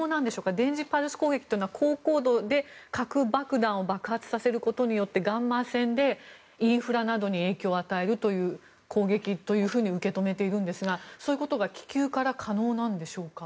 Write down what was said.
電磁パルス攻撃というのは高高度で核爆弾を爆発させることによってガンマ線でインフラなどに影響を与えるという攻撃と受け止めているんですがそういうことが気球から可能なんでしょうか。